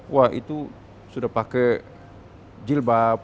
wah itu sudah pakai jilbab